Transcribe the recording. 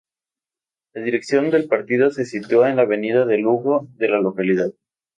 La dirección del partido se sitúa en la Avenida de Lugo de la localidad.